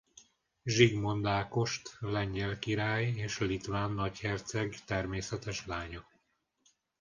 Zsigmond Ágost lengyel király és litván nagyherceg természetes lánya.